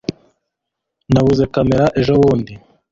Nabuze kamera ejobundi